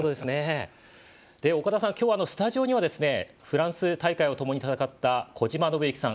岡田さん、スタジオにはフランス大会をともに戦った小島伸幸さん